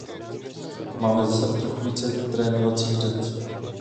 Máme zase o trochu víc trénovacích dat.